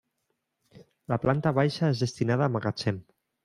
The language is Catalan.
La planta baixa és destinada a magatzem.